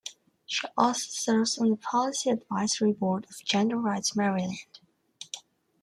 She also serves on the Policy Advisory Board of Gender Rights Maryland.